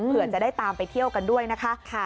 เผื่อจะได้ตามไปเที่ยวกันด้วยนะคะ